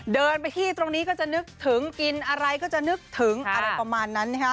เดินไปที่ตรงนี้ก็จะนึกถึงกินอะไรก็จะนึกถึงอะไรประมาณนั้นนะฮะ